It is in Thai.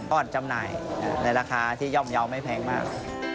อดจำหน่ายในราคาที่ย่อมเยาว์ไม่แพงมาก